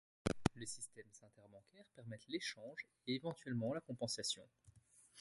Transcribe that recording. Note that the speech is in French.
Les systèmes interbancaires permettent l'échange et, éventuellement, la compensation.